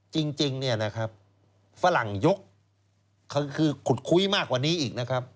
จริงฝรั่งยกคือขุดคุยมากกว่านี้อีกนะครับ